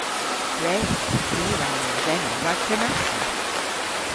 Gwren. Ni a wra mos ena rag prenassa.